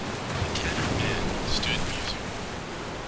The tattered man stood musing.